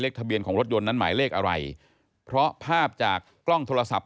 ทะเบียนของรถยนต์นั้นหมายเลขอะไรเพราะภาพจากกล้องโทรศัพท์